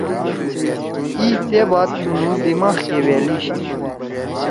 ای تے بات تُنو دماغ کے وألی شی۔